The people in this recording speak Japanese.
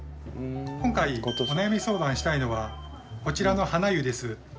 今回お悩み相談したいのはこちらのハナユです。